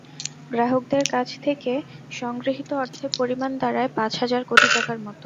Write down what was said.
গ্রাহকদের কাছ থেকে সংগৃহীত অর্থের পরিমাণ দাঁড়ায় পাঁচ হাজার কোটি টাকার মতো।